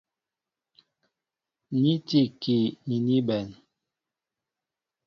Ni tí ikii ni ní bɛ̌n.